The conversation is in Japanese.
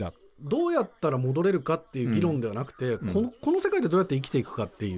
どうやったら戻れるかっていう議論ではなくてこの世界でどうやって生きていくかっていう。